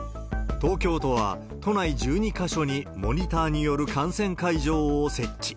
東京都は、都内１２か所にモニターによる感染会場を設置。